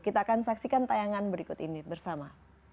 kita akan saksikan tayangan berikut ini bersama